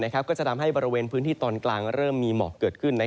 ก็จะทำให้บริเวณพื้นที่ตอนกลางเริ่มมีหมอกเกิดขึ้น